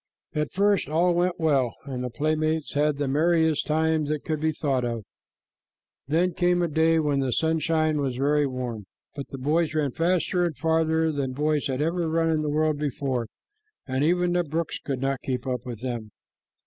At first all went well, and the playmates had the merriest times that could be thought of. Then came a day when the sunshine was very warm, but the boys ran faster and farther than boys had ever run in the world before, and even the brooks could not keep up with them.